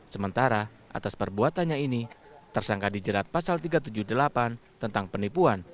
sementara atas perbuatannya ini tersangka dijerat pasal tiga ratus tujuh puluh delapan tentang penipuan